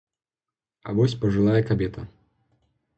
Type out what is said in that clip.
А вось пажылая кабета.